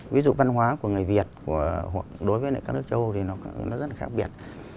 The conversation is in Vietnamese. ví dụ văn hóa của người việt đối với các nước châu âu thì nó rất là khác biệt